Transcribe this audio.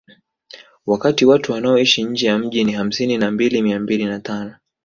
Wakati watu wanaoishi nje ya mji ni hamsini na mbili mia mbili na tano